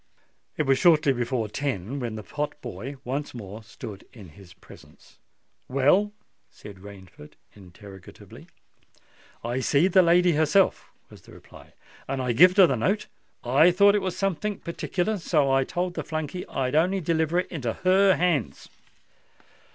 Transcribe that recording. It was shortly before ten when the pot boy once more stood in his presence. "Well?" said Rainford, interrogatively. "I seed the lady herself," was the reply; "and I gived her the note. I thought it was somethink partickler—and so I told the flunkey I'd on'y deliver it into her hands."